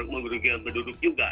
merugikan penduduk juga